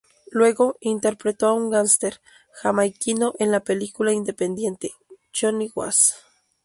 Luego interpretó a un gángster jamaiquino en la película independiente "Johnny Was".